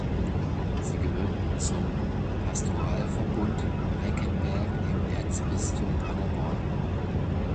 Sie gehört zum Pastoralverbund Reckenberg im Erzbistum Paderborn.